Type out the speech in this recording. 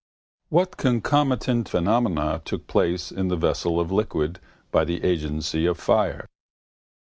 What concomitant phenomenon took place in the vessel of liquid by the agency of fire?